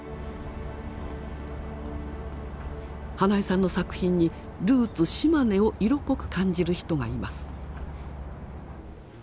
英恵さんの作品にルーツ島根を色濃く感じる人がいます。